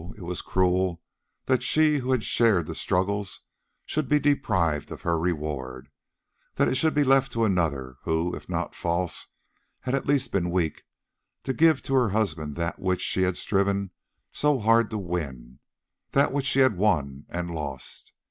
it was cruel that she who had shared the struggles should be deprived of her reward—that it should be left to another, who if not false had at least been weak, to give to her husband that which she had striven so hard to win—that which she had won—and lost.